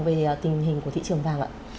về tình hình của thị trường vàng ạ